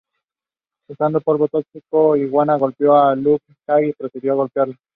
Usando polvo tóxico, Iguana golpeó a Luke Cage y procedió a golpearlo.